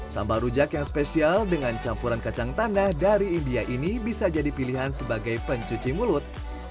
sambal rujak yang spesial dengan campuran kacang tanah dari india ini bisa jadi pilihan sebagai pencuci mulut